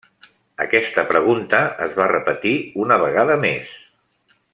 Aquesta pregunta es va repetir una vegada més.